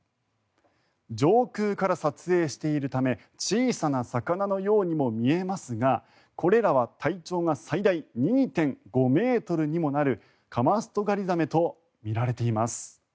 上空から撮影しているため小さな魚のようにも見えますがこれらは体長が最大２．５ｍにもなるカマストガリザメとみられています。